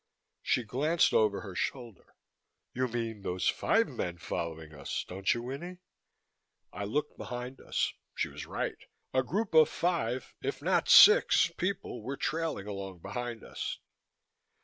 She glanced over her shoulder. "You mean those five men following us, don't you, Winnie?" I looked behind us. She was right. A group of five, if not six, people were trailing along behind us.